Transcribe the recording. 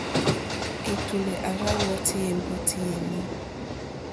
Ɛ̀tùlɛ̀ à rzá wɔ́tì ɛ̀mbɔ́tí yèní.